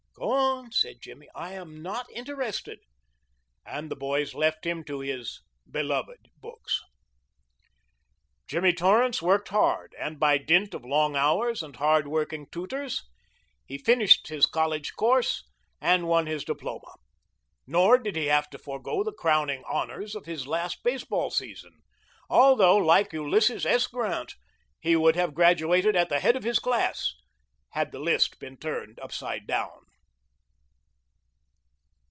"Go on," said Jimmy; "I am not interested," and the boys left him to his "beloved" books. Jimmy Torrance worked hard, and by dint of long hours and hard working tutors he finished his college course and won his diploma. Nor did he have to forego the crowning honors of his last baseball season, although, like Ulysses S. Grant, he would have graduated at the head of his class had the list been turned upside down.